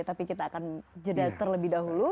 tapi kita akan jeda terlebih dahulu